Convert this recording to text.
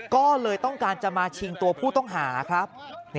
ก็เลยต้องการจะมาชิงตัวผู้ต้องหาครับ